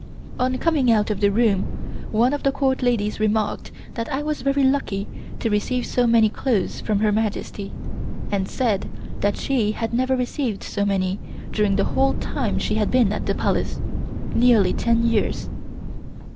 On coming out of the room, one of the Court ladies remarked that I was very lucky to receive so many clothes from Her Majesty and said that she had never received so many during the whole time she had been at the Palace nearly ten years.